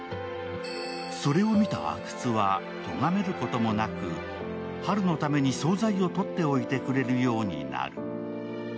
それを見た阿久津はとがめることもなく、波留のために総菜をとっておいてくれるようになる。